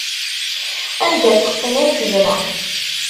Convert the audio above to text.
Anda teqqen ay tebra.